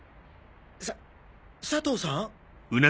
さ佐藤さん？